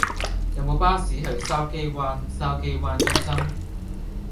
有無巴士去筲箕灣筲箕灣中心